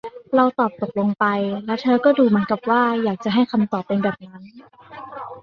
เราตอบตกลงไป และเธอก็ดูเหมือนกับว่าอยากจะให้คำตอบเป็นแบบนั้น